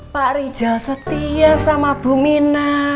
pak rijal setia sama bumina